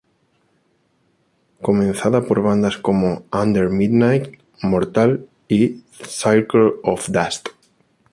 Comenzada por bandas como Under Midnight, Mortal y Circle of Dust.